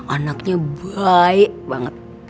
anaknya baik banget